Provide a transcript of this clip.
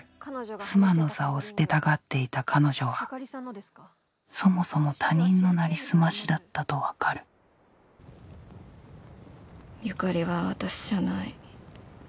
妻の座を捨てたがっていた彼女はそもそも他人のなりすましだったとわかる由香里は私じゃない。